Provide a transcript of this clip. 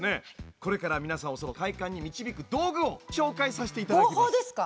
これから皆さんを快感に導く道具をご紹介させて頂きます。